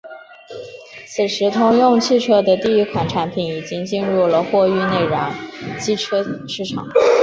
此时通用汽车的第一款产品已经进入了货运内燃机车市场。